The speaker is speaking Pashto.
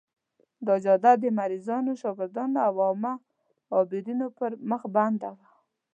دا جاده د مریضانو، شاګردانو او عامو عابرینو پر مخ بنده وه.